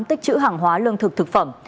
tích chữ hàng hóa lương thực thực phẩm